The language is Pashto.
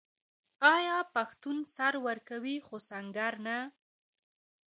آیا پښتون سر ورکوي خو سنګر نه؟